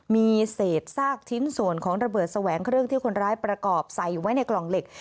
มีเศษซากชิ้นส่วนของระเบิดแสวงเครื่องที่คนร้ายประกอบใส่ไว้ในกล่องเหล็ก